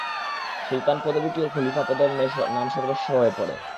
সুলতান পদবীটিও খলীফা পদের ন্যায় নামসর্বস্ব হয়ে পড়ে।